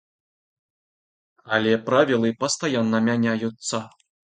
Але правілы пастаянна мяняюцца.